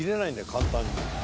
簡単に。